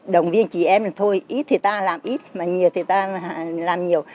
đồng viên chị em thì thôi ít thì ta làm ít mà nhiều thì ta làm nhiều